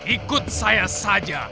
ikut saya saja